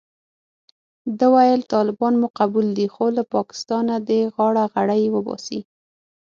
ده ویل طالبان مو قبول دي خو له پاکستانه دې غاړه غړۍ وباسي.